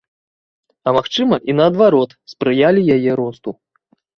А магчыма, і наадварот, спрыялі яе росту.